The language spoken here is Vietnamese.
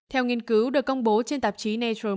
theo nghiên cứu được công bố trên tạp chí